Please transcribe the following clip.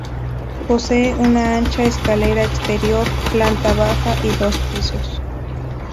Posee una ancha escalera exterior, planta baja y dos pisos.